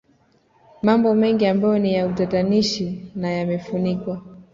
Mambo mengi ambayo ni ya utatanishi na yamefunikwa